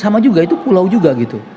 sama juga itu pulau juga gitu